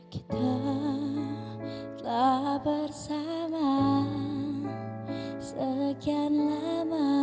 kita telah bersama sekian lama